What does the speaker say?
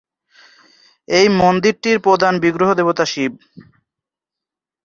এই মন্দিরটির প্রধান বিগ্রহ দেবতা শিব।